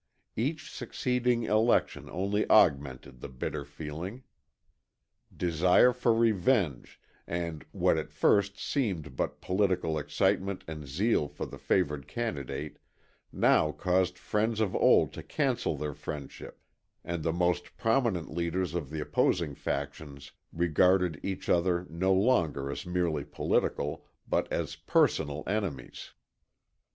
Each succeeding election only augmented the bitter feeling. Desire for revenge, and, what at first seemed but political excitement and zeal for the favored candidate, now caused friends of old to cancel their friendship and the most prominent leaders of the opposing factions regarded each other no longer as merely political, but as personal enemies.